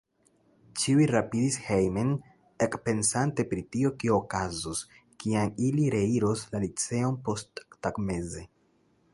Ĉiuj rapidis hejmen, ekpensante pri tio, kio okazos, kiam ili reiros la liceon posttagmeze.